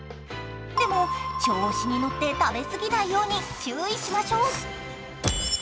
でも調子に乗って食べ過ぎないように注意しましょう。